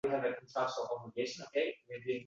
Bu yaxshi.